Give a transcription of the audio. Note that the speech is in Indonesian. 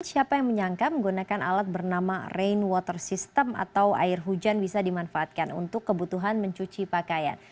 siapa yang menyangka menggunakan alat bernama rain water system atau air hujan bisa dimanfaatkan untuk kebutuhan mencuci pakaian